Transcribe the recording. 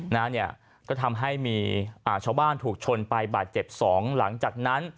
นะเนี่ยก็ทำให้มีอ่าชาวบ้านถูกชนไปบาดเจ็บสองหลังจากนั้น